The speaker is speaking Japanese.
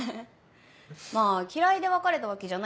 まぁ嫌いで別れたわけじゃないんだし。